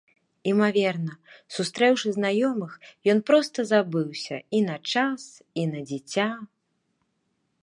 Імаверна, сустрэўшы знаёмых, ён проста забыўся і на час, і на дзіця.